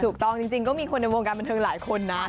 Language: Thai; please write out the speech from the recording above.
ถูกต้องจริงก็มีคนในวงการบันเทิงหลายคนนะ